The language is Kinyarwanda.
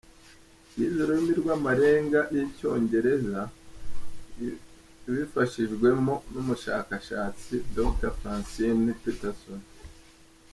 Yize ururimi rw’amarenga y’Icyongereza ibifashijwemo n’umushakashatsi Dr Francine Patterson.